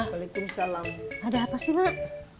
walaikum salam ada apa sih mak